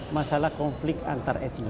masalah konflik antar etnis